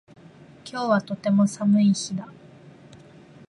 今日はとても寒い日だ